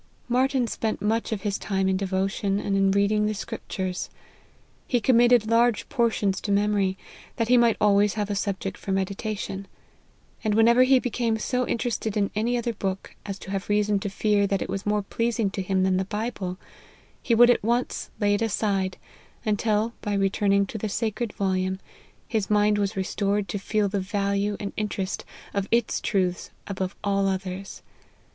Martyn spent much of his time in devotion, and in reading the scriptures. He committed large por tions to memory, that he might always have a sub ject for meditation; and whenever he became so interested in any other book, as to have reason to fear that it was more pleasing to him than the Bible, he would at once lay it aside ; until, by re turning to the sacred volume, his mind was restored to feel the value and interest of its truths above all others.